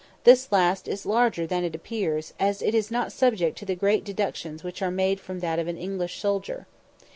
This last is larger than it appears, as it is not subject to the great deductions which are made from that of an English soldier.